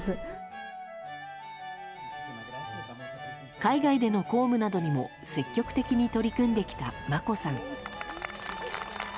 海外での公務などにも積極的に取り組んできた眞子さん。